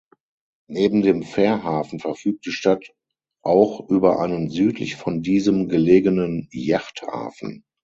Neben dem Fährhafen verfügt die Stadt auch über einen südlich von diesem gelegenen Yachthafen.